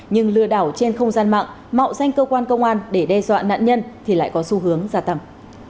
nhưng lừa đảo trên không gian mạng mạo danh cơ quan công an để đe dọa nạn nhân thì lại có xu hướng gia tăng